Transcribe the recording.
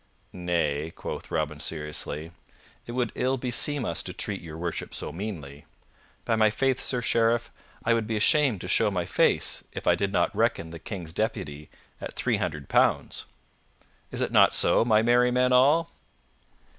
"Nay," quoth Robin seriously, "it would ill beseem us to treat Your Worship so meanly. By my faith, Sir Sheriff, I would be ashamed to show my face if I did not reckon the King's deputy at three hundred pounds. Is it not so, my merry men all?"